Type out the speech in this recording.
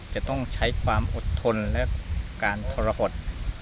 จะต้องใช้ความอดทนและการทรหด